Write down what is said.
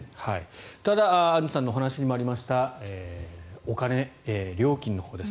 ただ、アンジュさんのお話にもありましたお金、料金のほうです。